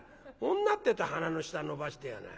女ってえと鼻の下伸ばしてやがる。